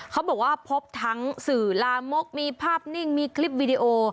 เขาบอกว่าพบทั้งสื่อลามกมีภาพนิ่งมีคลิปวิดีโอ